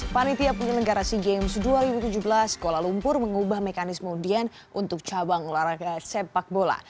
panitia penyelenggara seagames dua ribu tujuh belas sekolah lumpur mengubah mekanisme undian untuk cabang olahraga sepak bola